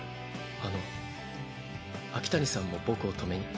あの秋谷さんも僕を止めに？